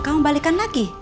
kamu balikkan lagi